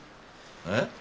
えっ？